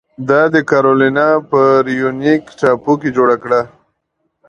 دا د کارولینا په ریونویک ټاپو کې جوړه کړه.